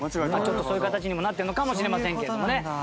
そういう形にもなってるのかもしれませんけどもね。